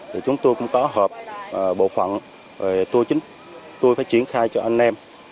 thì chúng tôi cũng có hợp bộ phận tôi phải triển khai cho anh em